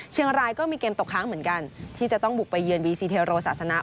เชียงรายก็มีเกมตกค้างเหมือนกันที่จะต้องบุกไปเยือนวีซีเทโรศาสนา